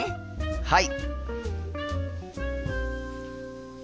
はい！